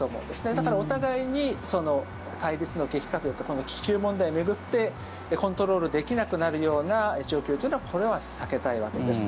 だから、お互いに対立の激化というかこの気球問題を巡ってコントロールできなくなるような状況というのはこれは避けたいわけです。